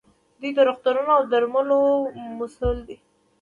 دوی د روغتونونو او درملو مسوول دي.